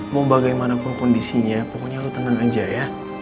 mau bagaimanapun kondisinya pokoknya lo tenang aja ya